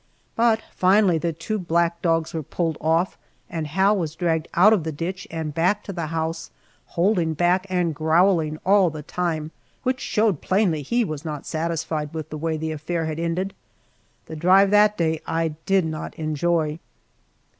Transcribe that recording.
But finally the two black dogs were pulled off and Hal was dragged out of the ditch and back to the house, holding back and growling all the time, which showed plainly he was not satisfied with the way the affair had ended. The drive that day I did not enjoy!